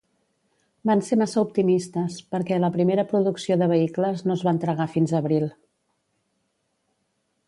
Van ser massa optimistes, perquè la primera producció de vehicles no es va entregar fins abril.